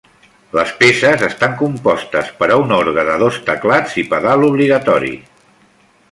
Les peces estan compostes per a un orgue de dos teclats i pedal obligatori.